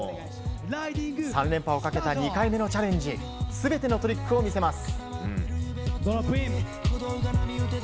３連覇をかけた２回目のチャレンジ全てのトリックを見せます。